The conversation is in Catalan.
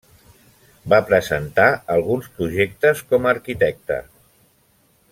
Va presentar alguns projectes com a arquitecte.